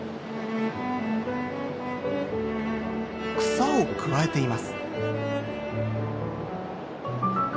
草をくわえています。